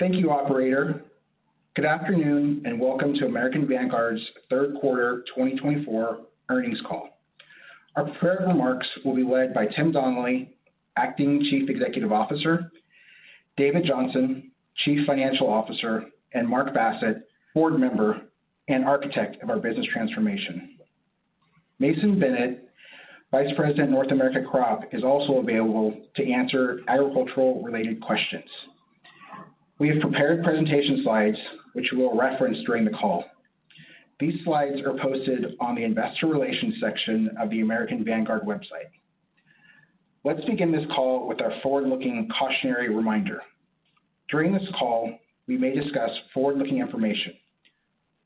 Thank you, Operator. Good afternoon and welcome to American Vanguard's third quarter 2024 earnings call. Our prepared remarks will be led by Tim Donnelly, Acting Chief Executive Officer, David Johnson, Chief Financial Officer, and Mark Bassett, Board Member and Architect of our business transformation. Mason Bennett, Vice President of North America Crop, is also available to answer agricultural-related questions. We have prepared presentation slides, which we will reference during the call. These slides are posted on the Investor Relations section of the American Vanguard website. Let's begin this call with our forward-looking cautionary reminder. During this call, we may discuss forward-looking information.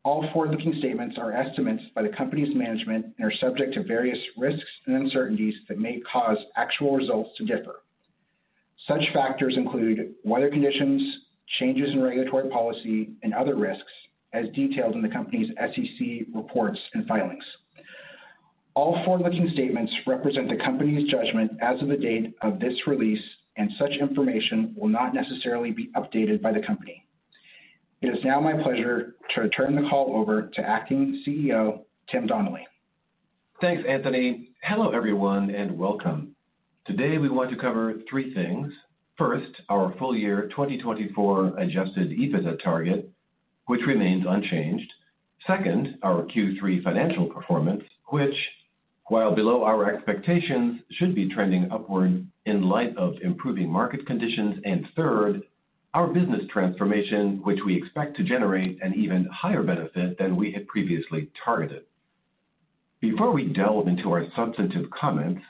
All forward-looking statements are estimates by the company's management and are subject to various risks and uncertainties that may cause actual results to differ. Such factors include weather conditions, changes in regulatory policy, and other risks, as detailed in the company's SEC reports and filings. All forward-looking statements represent the company's judgment as of the date of this release, and such information will not necessarily be updated by the company. It is now my pleasure to turn the call over to Acting CEO Tim Donnelly. Thanks, Anthony. Hello, everyone, and welcome. Today, we want to cover three things. First, our full-year 2024 Adjusted EBITDA target, which remains unchanged. Second, our Q3 financial performance, which, while below our expectations, should be trending upward in light of improving market conditions. And third, our business transformation, which we expect to generate an even higher benefit than we had previously targeted. Before we delve into our substantive comments,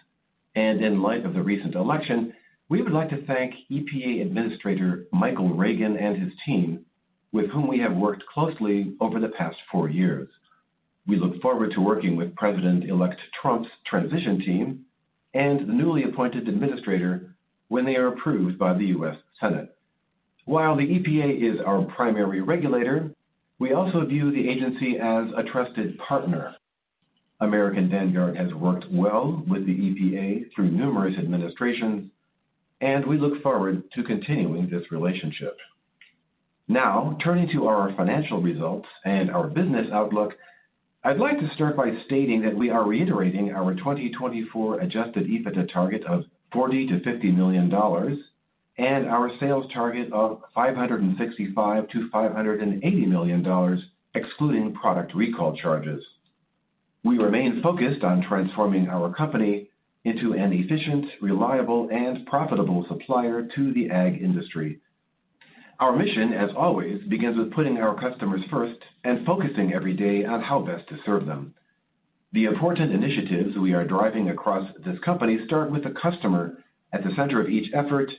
and in light of the recent election, we would like to thank EPA Administrator Michael Regan and his team, with whom we have worked closely over the past four years. We look forward to working with President-elect Trump's transition team and the newly appointed Administrator when they are approved by the U.S. Senate. While the EPA is our primary regulator, we also view the agency as a trusted partner. American Vanguard has worked well with the EPA through numerous administrations, and we look forward to continuing this relationship. Now, turning to our financial results and our business outlook, I'd like to start by stating that we are reiterating our 2024 Adjusted EBITDA target of $40 million-$50 million and our sales target of $565 million-$580 million, excluding product recall charges. We remain focused on transforming our company into an efficient, reliable, and profitable supplier to the ag industry. Our mission, as always, begins with putting our customers first and focusing every day on how best to serve them. The important initiatives we are driving across this company start with the customer at the center of each effort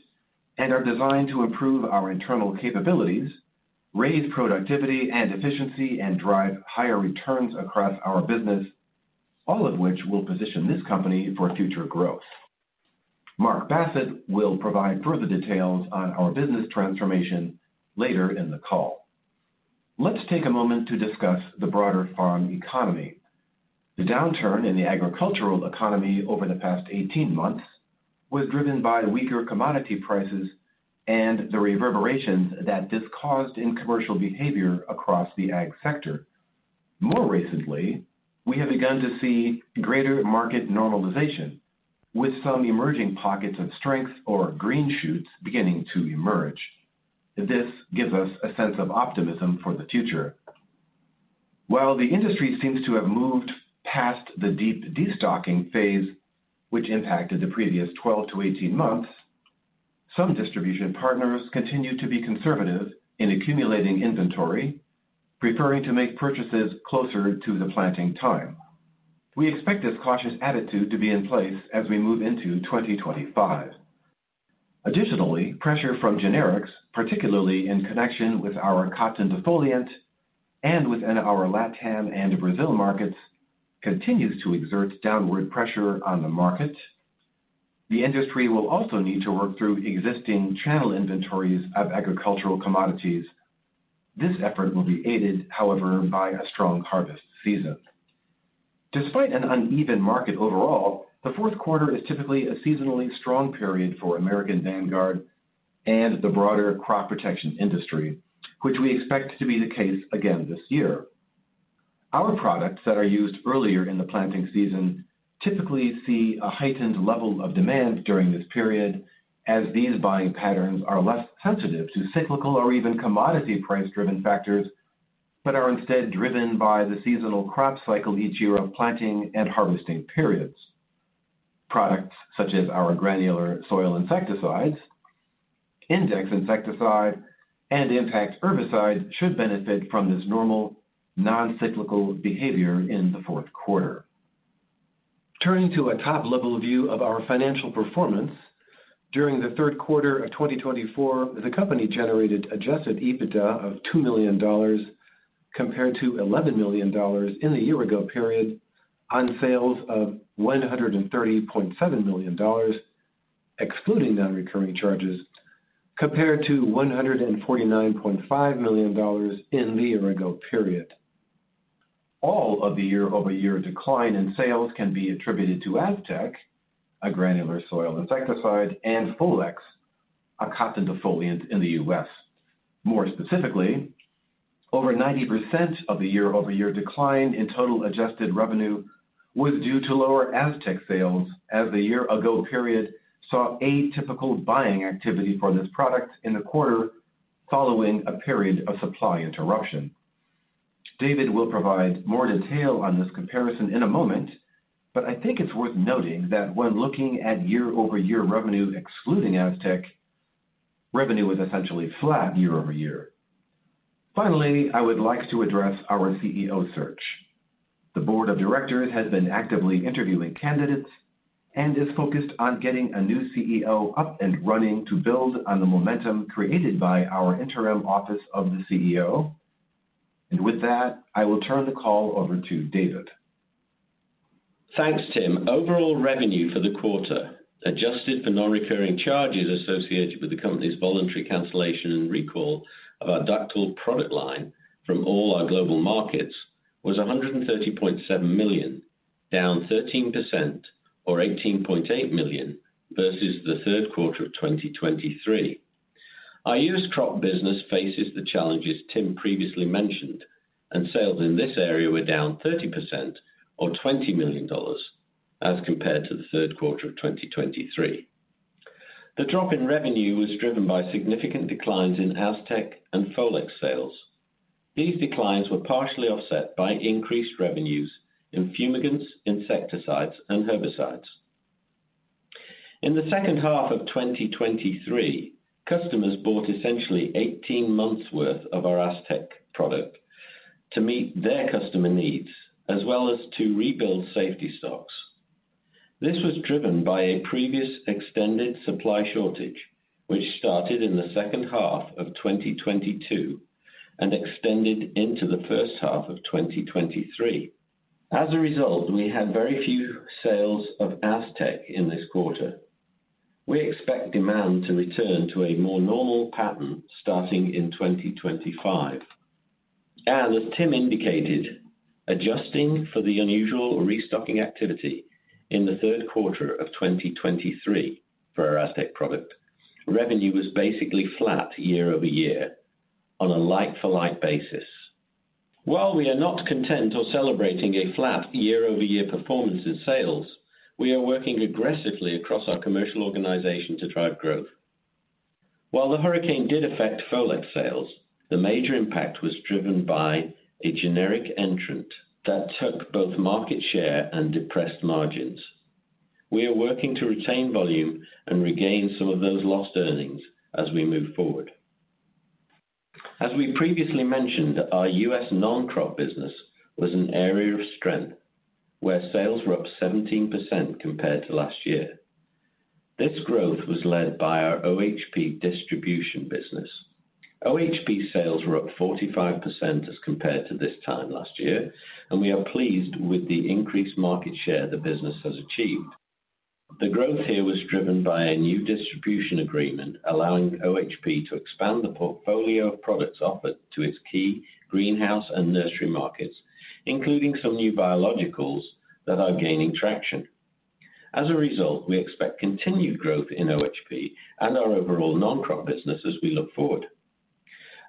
and are designed to improve our internal capabilities, raise productivity and efficiency, and drive higher returns across our business, all of which will position this company for future growth. Mark Bassett will provide further details on our business transformation later in the call. Let's take a moment to discuss the broader farm economy. The downturn in the agricultural economy over the past 18 months was driven by weaker commodity prices and the reverberations that this caused in commercial behavior across the ag sector. More recently, we have begun to see greater market normalization, with some emerging pockets of strength or green shoots beginning to emerge. This gives us a sense of optimism for the future. While the industry seems to have moved past the deep destocking phase, which impacted the previous 12-18 months, some distribution partners continue to be conservative in accumulating inventory, preferring to make purchases closer to the planting time. We expect this cautious attitude to be in place as we move into 2025. Additionally, pressure from generics, particularly in connection with our cotton defoliant and within our LATAM and Brazil markets, continues to exert downward pressure on the market. The industry will also need to work through existing channel inventories of agricultural commodities. This effort will be aided, however, by a strong harvest season. Despite an uneven market overall, the fourth quarter is typically a seasonally strong period for American Vanguard and the broader crop protection industry, which we expect to be the case again this year. Our products that are used earlier in the planting season typically see a heightened level of demand during this period, as these buying patterns are less sensitive to cyclical or even commodity price-driven factors but are instead driven by the seasonal crop cycle each year of planting and harvesting periods. Products such as our granular soil insecticides, Index insecticide, and Impact herbicides should benefit from this normal non-cyclical behavior in the fourth quarter. Turning to a top-level view of our financial performance, during the third quarter of 2024, the company generated adjusted EBITDA of $2 million compared to $11 million in the year-ago period on sales of $130.7 million, excluding non-recurring charges, compared to $149.5 million in the year-ago period. All of the year-over-year decline in sales can be attributed to Aztec, a granular soil insecticide, and Folex, a cotton defoliant in the U.S. More specifically, over 90% of the year-over-year decline in total adjusted revenue was due to lower Aztec sales, as the year-ago period saw atypical buying activity for this product in the quarter following a period of supply interruption. David will provide more detail on this comparison in a moment, but I think it's worth noting that when looking at year-over-year revenue excluding Aztec, revenue was essentially flat year-over-year. Finally, I would like to address our CEO search. The board of directors has been actively interviewing candidates and is focused on getting a new CEO up and running to build on the momentum created by our interim office of the CEO. And with that, I will turn the call over to David. Thanks, Tim. Overall revenue for the quarter, adjusted for non-recurring charges associated with the company's voluntary cancellation and recall of our Dacthal product line from all our global markets, was $130.7 million, down 13% or $18.8 million versus the third quarter of 2023. Our U.S. crop business faces the challenges Tim previously mentioned, and sales in this area were down 30% or $20 million as compared to the third quarter of 2023. The drop in revenue was driven by significant declines in Aztec and Folex sales. These declines were partially offset by increased revenues in fumigants, insecticides, and herbicides. In the second half of 2023, customers bought essentially 18 months' worth of our Aztec product to meet their customer needs, as well as to rebuild safety stocks. This was driven by a previous extended supply shortage, which started in the second half of 2022 and extended into the first half of 2023. As a result, we had very few sales of Aztec in this quarter. We expect demand to return to a more normal pattern starting in 2025. As Tim indicated, adjusting for the unusual restocking activity in the third quarter of 2023 for our Aztec product, revenue was basically flat year-over-year on a like-for-like basis. While we are not content or celebrating a flat year-over-year performance in sales, we are working aggressively across our commercial organization to drive growth. While the hurricane did affect Folex sales, the major impact was driven by a generic entrant that took both market share and depressed margins. We are working to retain volume and regain some of those lost earnings as we move forward. As we previously mentioned, our U.S. non-crop business was an area of strength, where sales were up 17% compared to last year. This growth was led by our OHP distribution business. OHP sales were up 45% as compared to this time last year, and we are pleased with the increased market share the business has achieved. The growth here was driven by a new distribution agreement allowing OHP to expand the portfolio of products offered to its key greenhouse and nursery markets, including some new biologicals that are gaining traction. As a result, we expect continued growth in OHP and our overall non-crop business as we look forward.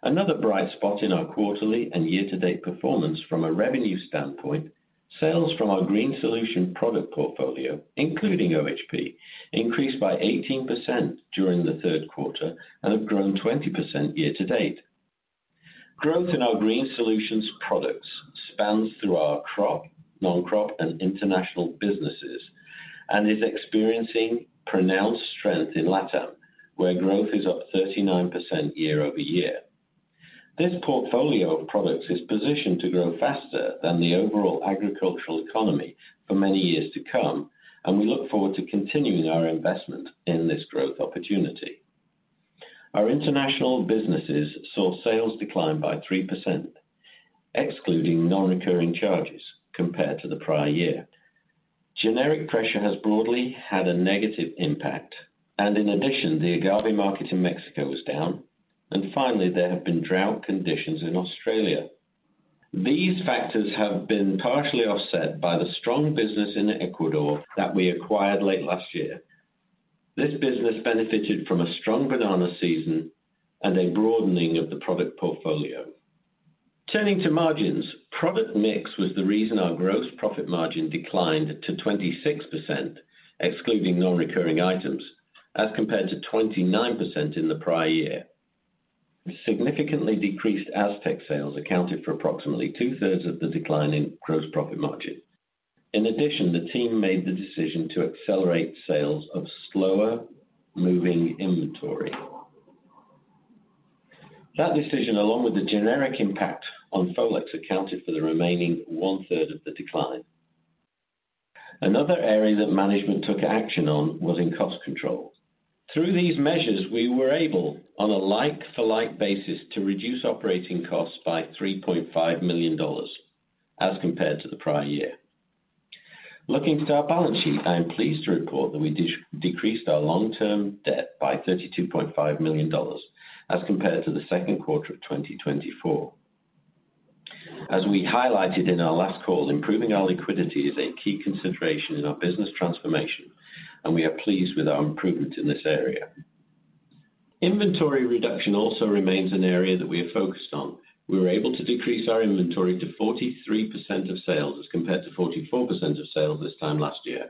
Another bright spot in our quarterly and year-to-date performance from a revenue standpoint. Sales from our Green Solutions product portfolio, including OHP, increased by 18% during the third quarter and have grown 20% year-to-date. Growth in our Green Solutions products spans through our crop, non-crop, and international businesses and is experiencing pronounced strength in LATAM, where growth is up 39% year-over-year. This portfolio of products is positioned to grow faster than the overall agricultural economy for many years to come, and we look forward to continuing our investment in this growth opportunity. Our international businesses saw sales decline by 3%, excluding non-recurring charges compared to the prior year. Generic pressure has broadly had a negative impact, and in addition, the agave market in Mexico was down, and finally, there have been drought conditions in Australia. These factors have been partially offset by the strong business in Ecuador that we acquired late last year. This business benefited from a strong banana season and a broadening of the product portfolio. Turning to margins, product mix was the reason our gross profit margin declined to 26%, excluding non-recurring items, as compared to 29% in the prior year. Significantly decreased Aztec sales accounted for approximately two-thirds of the decline in gross profit margin. In addition, the team made the decision to accelerate sales of slower-moving inventory. That decision, along with the generic impact on Folex, accounted for the remaining one-third of the decline. Another area that management took action on was in cost control. Through these measures, we were able, on a like-for-like basis, to reduce operating costs by $3.5 million as compared to the prior year. Looking at our balance sheet, I am pleased to report that we decreased our long-term debt by $32.5 million as compared to the second quarter of 2024. As we highlighted in our last call, improving our liquidity is a key consideration in our business transformation, and we are pleased with our improvement in this area. Inventory reduction also remains an area that we are focused on. We were able to decrease our inventory to 43% of sales as compared to 44% of sales this time last year.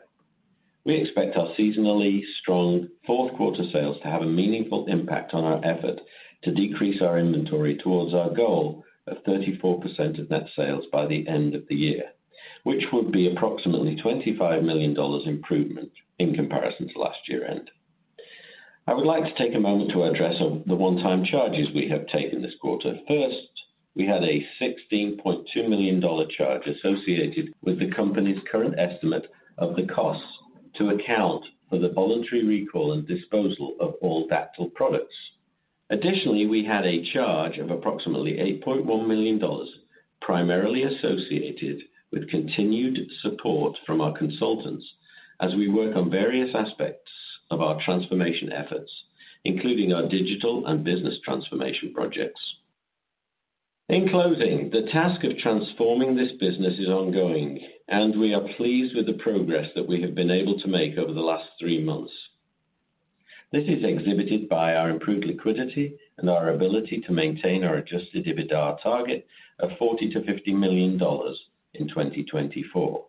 We expect our seasonally strong fourth quarter sales to have a meaningful impact on our effort to decrease our inventory towards our goal of 34% of net sales by the end of the year, which would be approximately $25 million improvement in comparison to last year-end. I would like to take a moment to address the one-time charges we have taken this quarter. First, we had a $16.2 million charge associated with the company's current estimate of the costs to account for the voluntary recall and disposal of all Dacthal products. Additionally, we had a charge of approximately $8.1 million primarily associated with continued support from our consultants as we work on various aspects of our transformation efforts, including our digital and business transformation projects. In closing, the task of transforming this business is ongoing, and we are pleased with the progress that we have been able to make over the last three months. This is exhibited by our improved liquidity and our ability to maintain our Adjusted EBITDA target of $40-$50 million in 2024.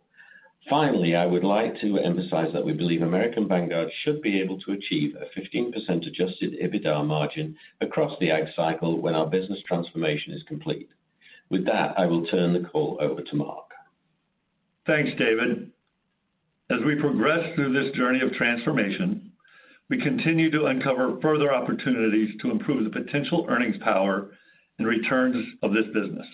Finally, I would like to emphasize that we believe American Vanguard should be able to achieve a 15% Adjusted EBITDA margin across the ag cycle when our business transformation is complete. With that, I will turn the call over to Mark. Thanks, David. As we progress through this journey of transformation, we continue to uncover further opportunities to improve the potential earnings power and returns of this business.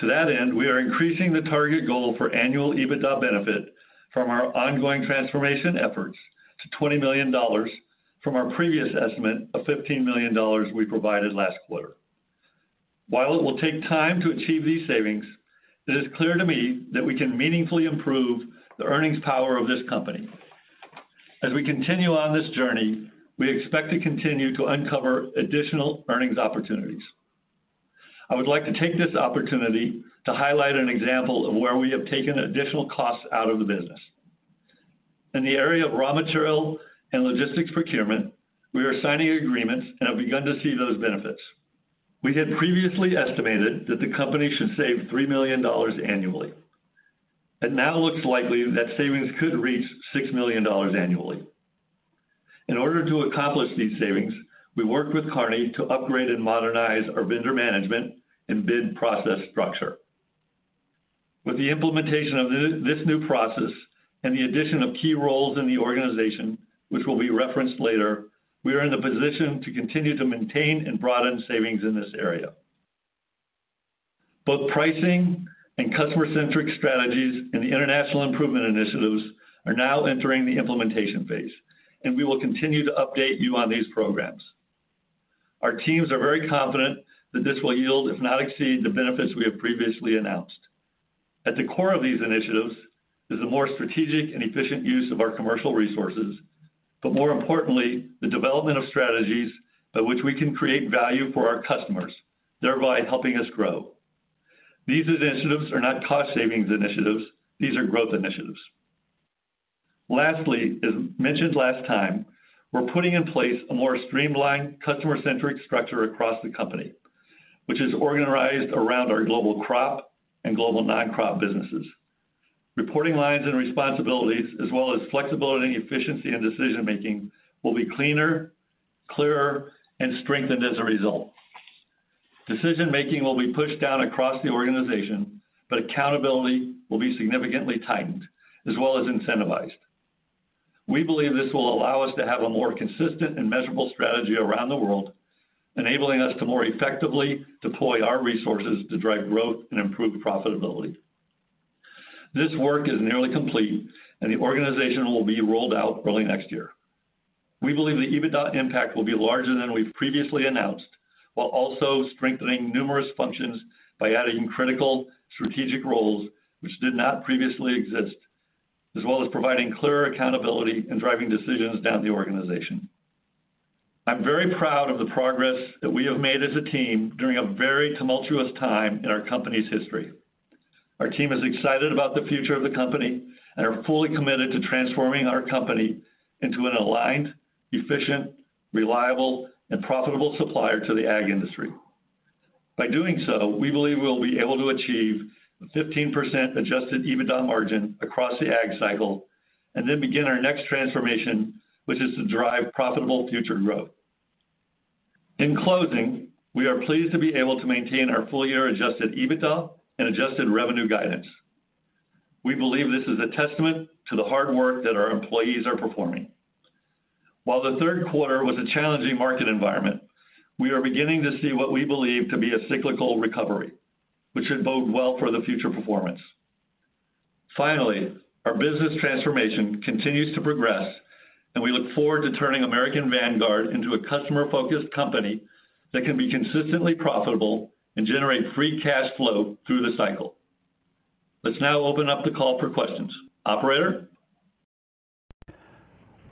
To that end, we are increasing the target goal for annual EBITDA benefit from our ongoing transformation efforts to $20 million from our previous estimate of $15 million we provided last quarter. While it will take time to achieve these savings, it is clear to me that we can meaningfully improve the earnings power of this company. As we continue on this journey, we expect to continue to uncover additional earnings opportunities. I would like to take this opportunity to highlight an example of where we have taken additional costs out of the business. In the area of raw material and logistics procurement, we are signing agreements and have begun to see those benefits. We had previously estimated that the company should save $3 million annually. It now looks likely that savings could reach $6 million annually. In order to accomplish these savings, we worked with Kearney to upgrade and modernize our vendor management and bid process structure. With the implementation of this new process and the addition of key roles in the organization, which will be referenced later, we are in the position to continue to maintain and broaden savings in this area. Both pricing and customer-centric strategies and the international improvement initiatives are now entering the implementation phase, and we will continue to update you on these programs. Our teams are very confident that this will yield, if not exceed, the benefits we have previously announced. At the core of these initiatives is the more strategic and efficient use of our commercial resources, but more importantly, the development of strategies by which we can create value for our customers, thereby helping us grow. These initiatives are not cost-savings initiatives. These are growth initiatives. Lastly, as mentioned last time, we're putting in place a more streamlined, customer-centric structure across the company, which is organized around our global crop and global non-crop businesses. Reporting lines and responsibilities, as well as flexibility and efficiency in decision-making, will be cleaner, clearer, and strengthened as a result. Decision-making will be pushed down across the organization, but accountability will be significantly tightened, as well as incentivized. We believe this will allow us to have a more consistent and measurable strategy around the world, enabling us to more effectively deploy our resources to drive growth and improve profitability. This work is nearly complete, and the organization will be rolled out early next year. We believe the EBITDA impact will be larger than we've previously announced, while also strengthening numerous functions by adding critical strategic roles which did not previously exist, as well as providing clearer accountability and driving decisions down the organization. I'm very proud of the progress that we have made as a team during a very tumultuous time in our company's history. Our team is excited about the future of the company and are fully committed to transforming our company into an aligned, efficient, reliable, and profitable supplier to the ag industry. By doing so, we believe we'll be able to achieve a 15% Adjusted EBITDA margin across the ag cycle and then begin our next transformation, which is to drive profitable future growth. In closing, we are pleased to be able to maintain our full-year Adjusted EBITDA and Adjusted revenue guidance. We believe this is a testament to the hard work that our employees are performing. While the third quarter was a challenging market environment, we are beginning to see what we believe to be a cyclical recovery, which should bode well for the future performance. Finally, our business transformation continues to progress, and we look forward to turning American Vanguard into a customer-focused company that can be consistently profitable and generate free cash flow through the cycle. Let's now open up the call for questions. Operator?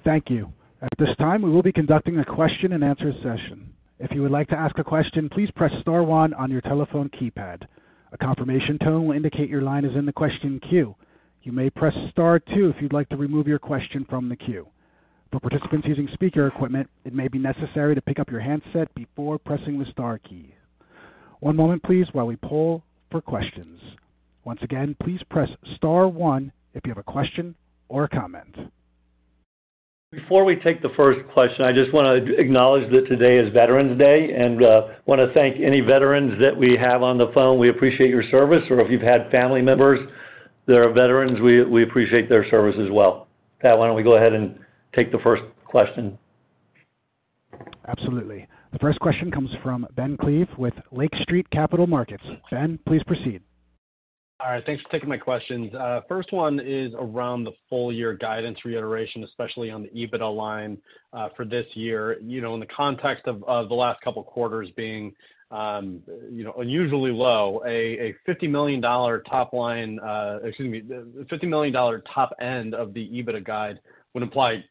Thank you. At this time, we will be conducting a question-and-answer session. If you would like to ask a question, please press star one on your telephone keypad. A confirmation tone will indicate your line is in the question queue. You may press star two if you'd like to remove your question from the queue. For participants using speaker equipment, it may be necessary to pick up your handset before pressing the star key. One moment, please, while we poll for questions. Once again, please press star one if you have a question or a comment. Before we take the first question, I just want to acknowledge that today is Veterans Day and want to thank any veterans that we have on the phone. We appreciate your service. Or if you've had family members that are veterans, we appreciate their service as well. Pat, why don't we go ahead and take the first question? Absolutely. The first question comes from Ben Klieve with Lake Street Capital Markets. Ben, please proceed. All right. Thanks for taking my questions. First one is around the full-year guidance reiteration, especially on the EBITDA line for this year. In the context of the last couple of quarters being unusually low, a $50 million top line, excuse me, $50 million top end of the EBITDA guide would imply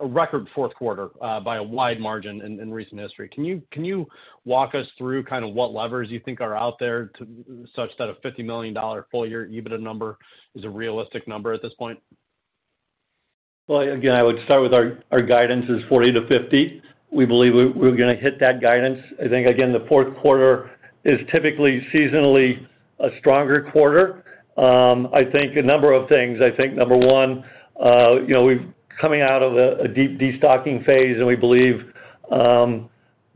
a record fourth quarter by a wide margin in recent history. Can you walk us through kind of what levers you think are out there such that a $50 million full-year EBITDA number is a realistic number at this point? Again, I would start with our guidance is 40-50. We believe we're going to hit that guidance. I think, again, the fourth quarter is typically seasonally a stronger quarter. I think a number of things. I think, number one, we're coming out of a deep destocking phase, and we believe that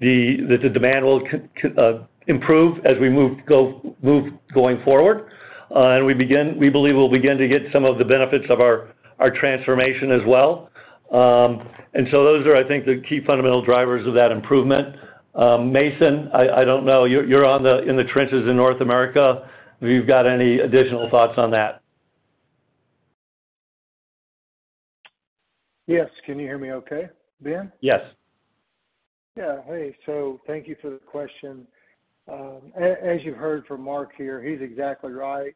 the demand will improve as we move going forward and we believe we'll begin to get some of the benefits of our transformation as well. And so those are, I think, the key fundamental drivers of that improvement. Mason, I don't know. You're in the trenches in North America. Have you got any additional thoughts on that? Yes. Can you hear me okay, Ben? Yes. Yeah. Hey, so thank you for the question. As you've heard from Mark here, he's exactly right.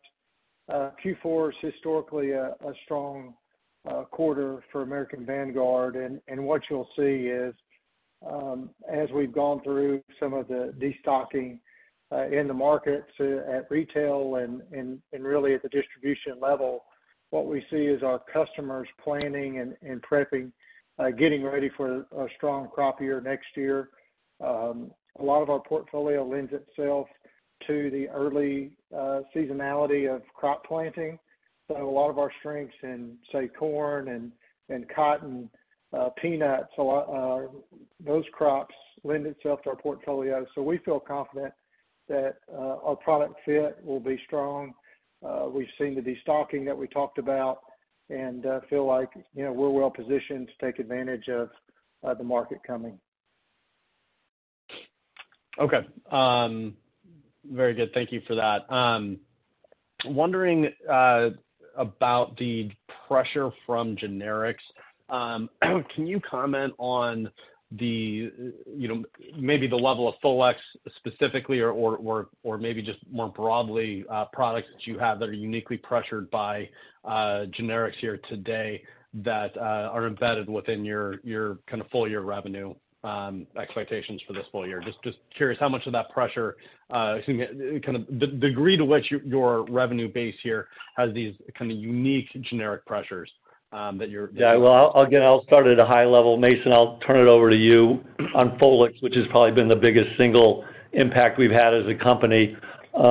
Q4 is historically a strong quarter for American Vanguard. And what you'll see is, as we've gone through some of the destocking in the markets at retail and really at the distribution level, what we see is our customers planning and prepping, getting ready for a strong crop year next year. A lot of our portfolio lends itself to the early seasonality of crop planting. So a lot of our strengths in, say, corn and cotton, peanuts, those crops lend themselves to our portfolio. So we feel confident that our product fit will be strong. We've seen the destocking that we talked about and feel like we're well-positioned to take advantage of the market coming. Okay. Very good. Thank you for that. Wondering about the pressure from generics. Can you comment on maybe the level of Folex specifically or maybe just more broadly products that you have that are uniquely pressured by generics here today that are embedded within your kind of full-year revenue expectations for this full year? Just curious how much of that pressure, excuse me, kind of the degree to which your revenue base here has these kind of unique generic pressures that you're. Yeah. Well, again, I'll start at a high level. Mason, I'll turn it over to you on Folex, which has probably been the biggest single impact we've had as a company. At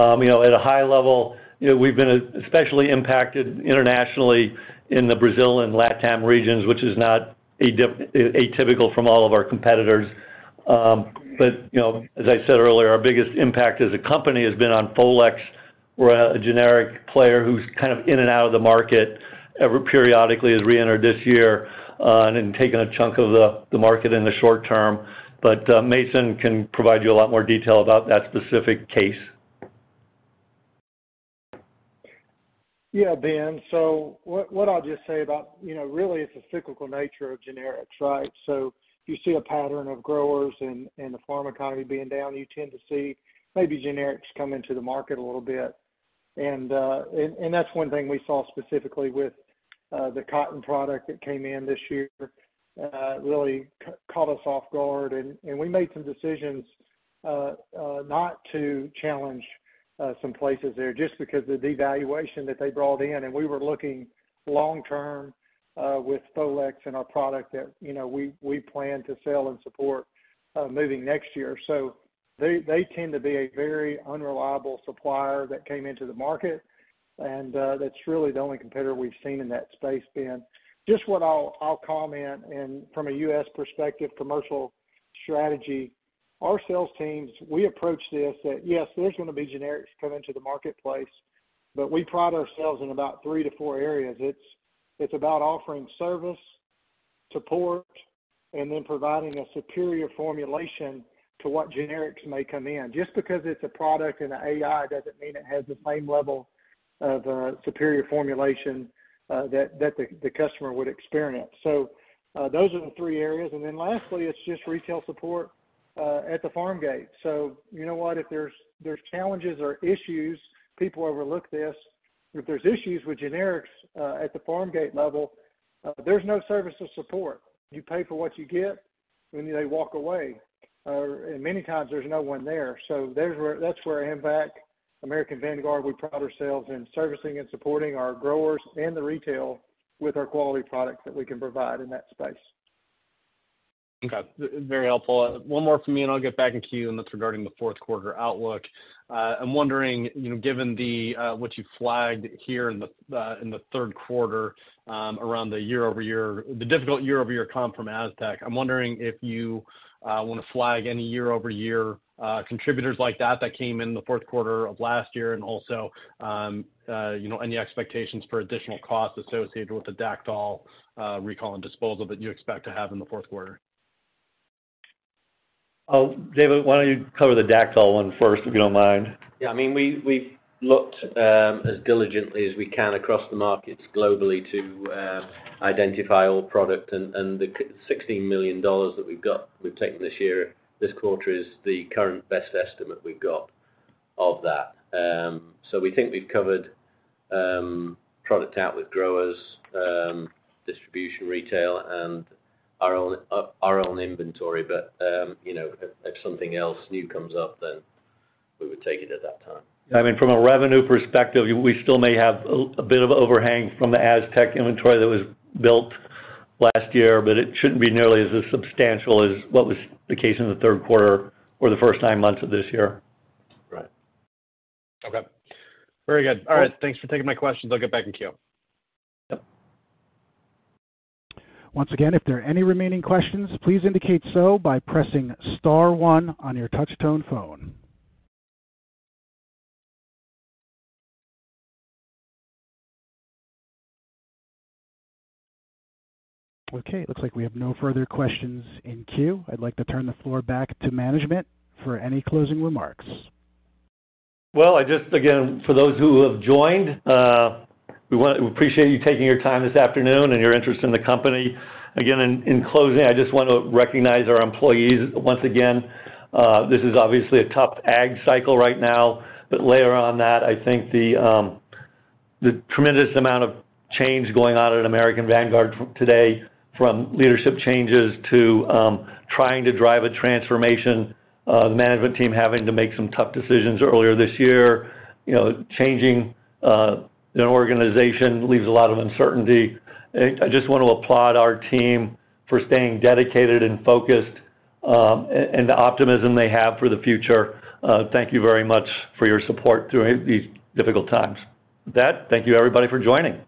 a high level, we've been especially impacted internationally in the Brazil and LATAM regions, which is not atypical from all of our competitors. But as I said earlier, our biggest impact as a company has been on Folex. We're a generic player who's kind of in and out of the market, periodically has re-entered this year and taken a chunk of the market in the short term. But Mason can provide you a lot more detail about that specific case. Yeah, Ben. So what I'll just say about really, it's the cyclical nature of generics, right? So you see a pattern of growers and the farm economy being down. You tend to see maybe generics come into the market a little bit. And that's one thing we saw specifically with the cotton product that came in this year. It really caught us off guard. And we made some decisions not to challenge some places there just because of the devaluation that they brought in. And we were looking long-term with Folex and our product that we plan to sell and support moving next year. So they tend to be a very unreliable supplier that came into the market. And that's really the only competitor we've seen in that space, Ben. Just what I'll comment from a U.S. perspective, commercial strategy. Our sales teams, we approach this that, yes, there's going to be generics coming to the marketplace, but we pride ourselves in about three to four areas. It's about offering service, support, and then providing a superior formulation to what generics may come in. Just because it's a product and an AI doesn't mean it has the same level of superior formulation that the customer would experience. So those are the three areas. And then lastly, it's just retail support at the farm gate. So you know what? If there's challenges or issues, people overlook this. If there's issues with generics at the farm gate level, there's no service or support. You pay for what you get, and they walk away. And many times, there's no one there. So that's where AMVAC, American Vanguard, we pride ourselves in servicing and supporting our growers and the retail with our quality products that we can provide in that space. Okay. Very helpful. One more from me, and I'll get back to you. And that's regarding the fourth quarter outlook. I'm wondering, given what you flagged here in the third quarter around the year-over-year, the difficult year-over-year comp from Aztec, I'm wondering if you want to flag any year-over-year contributors like that that came in the fourth quarter of last year and also any expectations for additional costs associated with the Dacthal recall and disposal that you expect to have in the fourth quarter. David, why don't you cover the Dacthal one first, if you don't mind? Yeah. I mean, we've looked as diligently as we can across the markets globally to identify all product, and the $16 million that we've got we've taken this year, this quarter is the current best estimate we've got of that, so we think we've covered product out with growers, distribution, retail, and our own inventory, but if something else new comes up, then we would take it at that time. Yeah. I mean, from a revenue perspective, we still may have a bit of overhang from the Aztec inventory that was built last year, but it shouldn't be nearly as substantial as what was the case in the third quarter or the first nine months of this year. Right. Okay. Very good. All right. Thanks for taking my questions. I'll get back to you. Once again, if there are any remaining questions, please indicate so by pressing star one on your touch-tone phone. Okay. It looks like we have no further questions in queue. I'd like to turn the floor back to management for any closing remarks. Again, for those who have joined, we appreciate you taking your time this afternoon and your interest in the company. Again, in closing, I just want to recognize our employees. Once again, this is obviously a tough ag cycle right now. But layer on that, I think the tremendous amount of change going on at American Vanguard today, from leadership changes to trying to drive a transformation, the management team having to make some tough decisions earlier this year, changing an organization leaves a lot of uncertainty. I just want to applaud our team for staying dedicated and focused and the optimism they have for the future. Thank you very much for your support through these difficult times. With that, thank you, everybody, for joining.